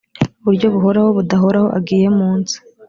buryo buhoraho budahoraho agiye munsi